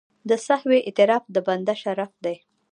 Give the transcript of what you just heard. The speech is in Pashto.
د سهوې اعتراف د بنده شرف دی.